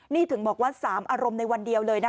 นี่ถึงบอกว่า๓อารมณ์ในวันเดียวเลยนะ